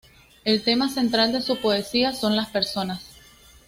El tema central de su poesía son las personas.